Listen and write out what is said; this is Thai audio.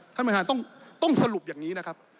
ท่านประธานต้องสรุปอย่างนี้นะครับ